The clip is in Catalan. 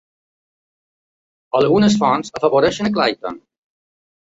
Algunes fonts afavoreixen a Clayton.